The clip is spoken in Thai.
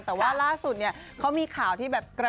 สวัสดีค่ะสวัสดีค่ะ